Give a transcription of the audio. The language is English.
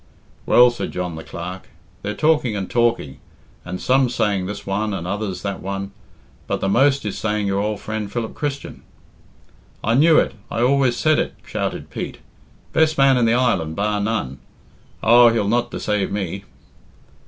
"Well," said John the Clerk, "they're talking and talking, and some's saying this one and others that one; but the most is saying your ould friend Philip Christian." "I knew it I always said it," shouted Pete; "best man in the island, bar none. Oh, he'll not deceave me."